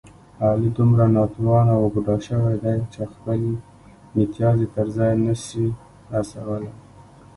علي دومره ناتوانه و بوډا شوی دی، چې خپل متیازې تر ځایه نشي رسولی.